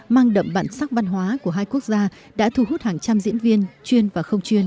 mang đậm bản sắc văn hóa của hai quốc gia đã thu hút hàng trăm diễn viên chuyên và không chuyên